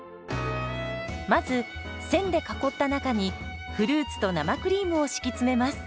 まず線で囲った中にフルーツと生クリームを敷き詰めます。